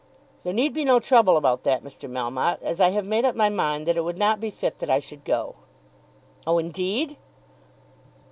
"There need be no trouble about that, Mr. Melmotte, as I have made up my mind that it would not be fit that I should go." "Oh, indeed!"